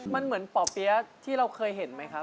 มันเหมือนป่อเปี๊ยะที่เราเคยเห็นไหมครับ